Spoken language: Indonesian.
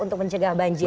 untuk mencegah banjir